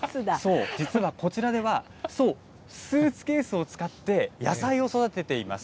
実はこちらでは、そう、スーツケースを使って野菜を育てています。